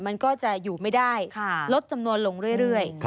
มันก็จะอยู่ไม่ได้ลดจำนวนลงเรื่อย